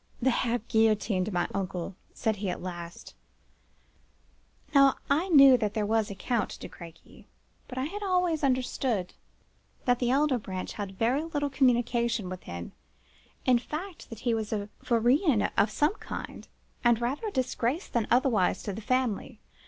"'They have guillotined my uncle!' said he at last. Now, I knew that there was a Count de Crequy; but I had always understood that the elder branch held very little communication with him; in fact, that he was a vaurien of some kind, and rather a disgrace than otherwise to the family.